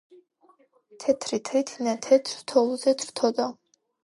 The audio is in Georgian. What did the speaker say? თეთრი თრითინა თეთრ თოვლზე თრთოდა